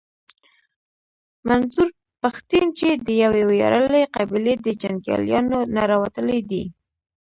منظور پښتين چې د يوې وياړلې قبيلې د جنګياليانو نه راوتلی دی.